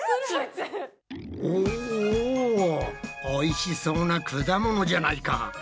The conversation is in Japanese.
おおおいしそうな果物じゃないか。